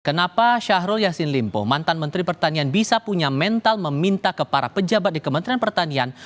kenapa syahrul yassin limpo mantan menteri pertanian bisa punya mental meminta ke para pejabat di kementerian pertanian